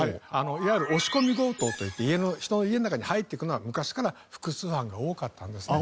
いわゆる押し込み強盗といって人の家の中に入っていくのは昔から複数犯が多かったんですね。